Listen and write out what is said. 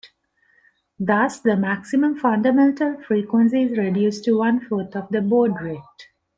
Thus, the maximum fundamental frequency is reduced to one fourth of the baud rate.